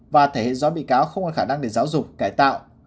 và thể hiện rõ bị cáo không có khả năng để giáo dục cải tạo